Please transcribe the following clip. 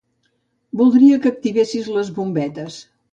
Voldria que activessis les bombetes.